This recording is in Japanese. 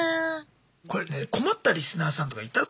困ったリスナーさんとかいた？